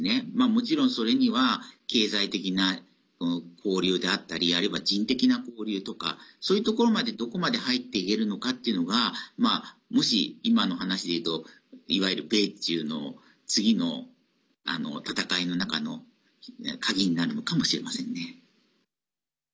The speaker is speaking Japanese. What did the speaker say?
もちろん、それには経済的な交流であったりあるいは人的な交流とかそういうところまで、どこまで入っていけるのかっていうのがもし今の話でいうといわゆる米中の次の闘いの中の鍵になるのかもしれませんね。